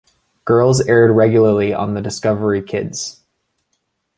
Girls aired regularly on the Discovery Kids.